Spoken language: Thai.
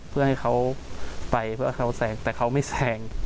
เพื่อให้เขาไปเพื่อให้เขาแซงแต่เขาไม่แซง